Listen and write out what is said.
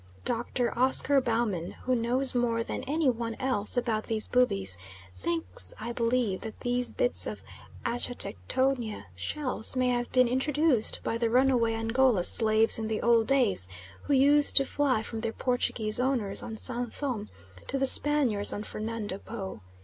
Dr. Oscar Baumann, who knows more than any one else about these Bubis, thinks, I believe, that these bits of Achatectonia shells may have been introduced by the runaway Angola slaves in the old days, who used to fly from their Portuguese owners on San Thome to the Spaniards on Fernando Po.